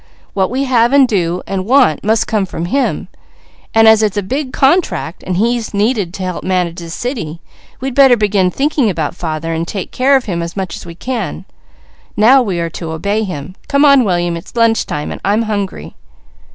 What we have, and do, and want, must come from him, and as it's a big contract, and he's needed to help manage this city, we'd better begin thinking about father, and taking care of him as much as we can. Now we are to obey him. Come on William. It's lunch time, and I'm hungry."